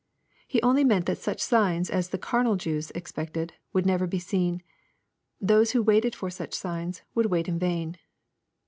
He only meant that such signs as the carnal Jews expected, would never be seen. Those who waited for such signs would wait in vain.